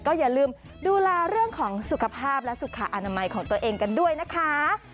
อย่าลืมดูแลเรื่องของสุขภาพและสุขอนามัยของตัวเองกันด้วยนะคะ